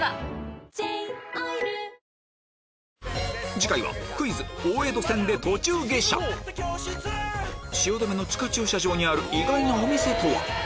次回はクイズ大江戸線で途中下車汐留の地下駐車場にある意外なお店とは？